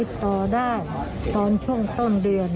ต่อได้ตอนช่วงต้นเดือน